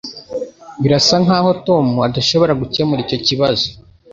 Birasa nkaho Tom adashobora gukemura icyo kibazo.